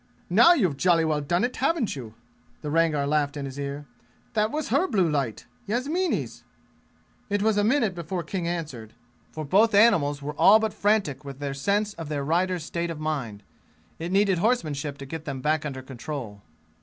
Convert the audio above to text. "Now you've jolly well done it, haven't you!"' the Rangar laughed in his ear. "That was her blue light Yasmini's!" It was a minute before King answered, for both animals were all but frantic with their sense of their riders' state of mind; it needed horsemanship to get them back under control.